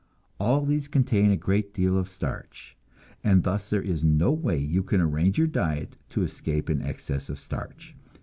All these contain a great deal of starch, and thus there is no way you can arrange your diet to escape an excess of starch.